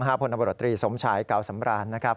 ห้าพลอตรีสมชายเก่าสำราญนะครับ